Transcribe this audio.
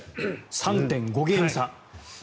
３．５ゲーム差。